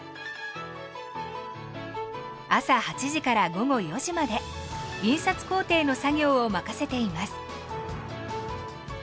朝８時から午後４時まで印刷工程の作業を任せています。